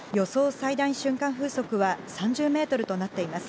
最大瞬間風速は３０メートルとなっています。